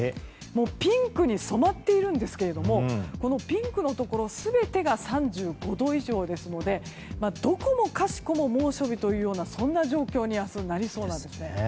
ピンクに染まっているんですがピンクのところ全てが３５度以上ですのでどこもかしこも猛暑日という予想になりそうなんですね。